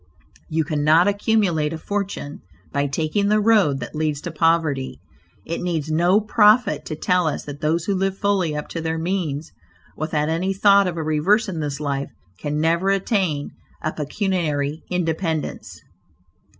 You cannot accumulate a fortune by taking the road that leads to poverty. It needs no prophet to tell us that those who live fully up to their means, without any thought of a reverse in this life, can never attain a pecuniary independence.